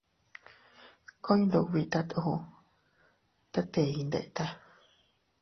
Ku iyndubitat uu, tet ii iyndeta.